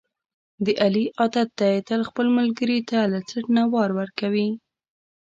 د علي عادت دی، تل خپل ملګري ته له څټ نه وار ورکوي.